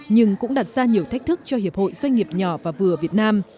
nhưng cũng đặt ra nhiều thách thức cho hiệp hội doanh nghiệp nhỏ và vừa việt nam